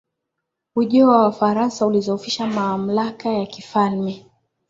ujio wa wafaransa ulidhoofisha mamlaka ya kifalme